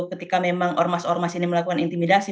ketika memang ormas ormas ini melakukan intimidasi